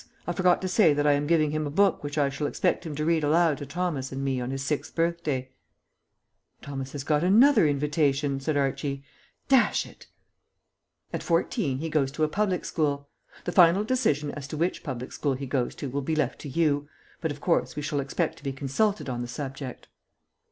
I forgot to say that I am giving him a book which I shall expect him to read aloud to Thomas and me on his sixth birthday." "Thomas has got another invitation," said Archie. "Dash it!" "At fourteen he goes to a public school. The final decision as to which public school he goes to will be left to you, but, of course, we shall expect to be consulted on the subject."